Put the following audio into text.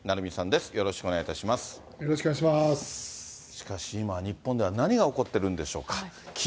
しかし、今日本では何が起こってるんでしょうか。